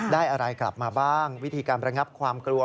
ได้อะไรกลับมาบ้างวิธีการประงับความกลัว